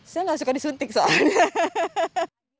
saya nggak suka disuntik soalnya